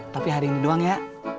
tapi hari ini doang ya